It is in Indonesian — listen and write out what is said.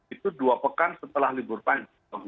itu dua pekan setelah libur panjang